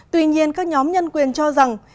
tuy nhiên các nhóm nhân quyền cho rằng